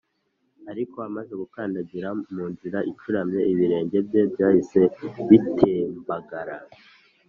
ariko amaze gukandagira mu nzira icuramye, ibirenge bye byahise bitembagara